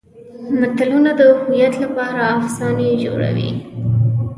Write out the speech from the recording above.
ملتونه د هویت لپاره افسانې جوړوي.